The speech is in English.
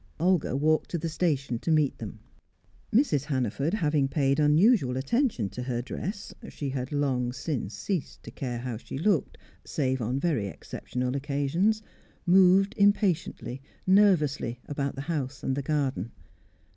Olga walked to the station to meet them. Mrs. Hannaford having paid unusual attention to her dress she had long since ceased to care how she looked, save on very exceptional occasions moved impatiently, nervously, about the house and the garden.